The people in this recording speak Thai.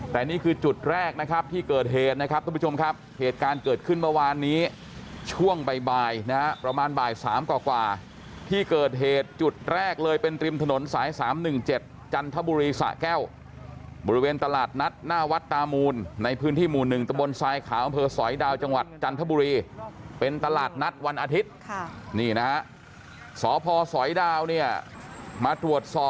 แต่นี่คือจุดแรกนะครับที่เกิดเหตุนะครับทุกผู้ชมครับเหตุการณ์เกิดขึ้นเมื่อวานนี้ช่วงบ่ายบ่ายนะฮะประมาณบ่ายสามกว่าที่เกิดเหตุจุดแรกเลยเป็นตริมถนนสายสามหนึ่งเจ็ดจันทบุรีสระแก้วบริเวณตลาดนัดหน้าวัดตามูลในพื้นที่หมู่หนึ่งตระบวนทรายขาวเมืองสอยดาวจังหวัดจันทบุรีเป็นตลาด